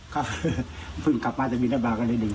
ครับเพิ่งกลับมาจากบินทบาทก็เลยดื่ม